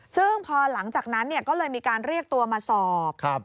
ซึ่งพอหลังจากนั้นก็เลยมีการเรียกตัวมาสอบ